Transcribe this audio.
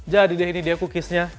jadi deh ini dia cookiesnya